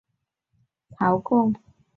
他屡次向唐朝遣使朝贡。